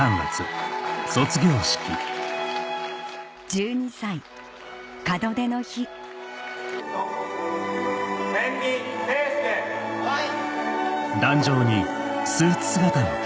１２ 歳門出の日・辺見佳祐・はい。